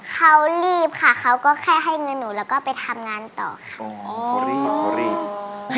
เขารีบค่ะเขาก็แค่ให้เงินหนูแล้วก็ไปทำงานต่อค่ะ